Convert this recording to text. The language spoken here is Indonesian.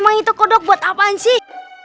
emang itu kodok buat apa sih